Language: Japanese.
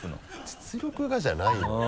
「実力が」じゃないのよ。